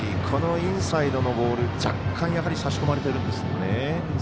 このインサイドのボール若干差し込まれてるんですね。